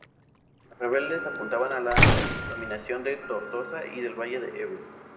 Los rebeldes apuntaban a la dominación de Tortosa y del valle del Ebro.